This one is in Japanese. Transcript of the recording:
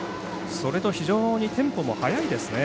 それと非常にテンポも速いですね。